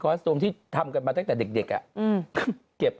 เคอสตูมที่ทำกมาตั้งแต่เด็ก